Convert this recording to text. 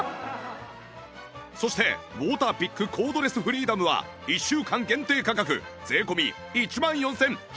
そしてウォーターピックコードレスフリーダムは１週間限定価格税込１万４８００円です